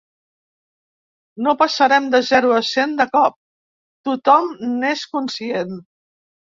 No passarem de zero a cent de cop, tothom n’és conscient.